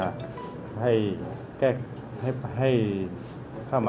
สวัสดีครับ